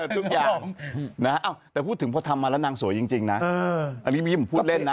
ทุกอย่างแต่พูดถึงพอทำมาแล้วนางสวยจริงนะอันนี้พี่ผมพูดเล่นนะ